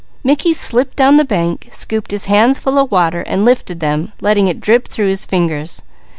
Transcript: Mickey slipped down the bank, scooped his hands full of water, and lifted them, letting it drip through his fingers.